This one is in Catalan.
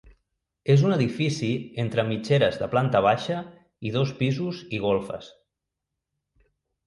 És un edifici entre mitgeres de planta baixa i dos pisos i golfes.